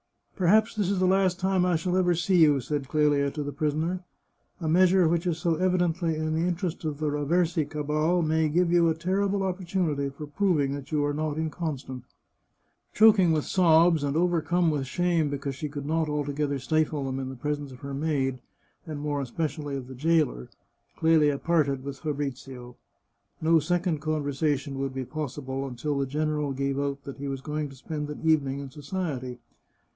" Perhaps this is the last time I shall ever see you," said Clelia to the prisoner. " A measure which is so evidently to the interest of the Raversi cabal may give you a terrible opportunity for proving that you are not inconstant." Choking with sobs, and overcome with shame because she could not altogether stifle them in the presence of her maid, and more especially of the jailer, Clelia parted with Fabrizio. No second conversation would be possible until the gen eral gave out that he was going to spend an evening in society.